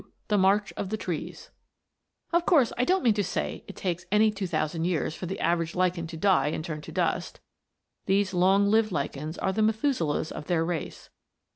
THE MARCH OF THE TREES Of course I don't mean to say it takes any 2,000 years for the average lichen to die and turn to dust. These long lived lichens are the Methuselahs of their race.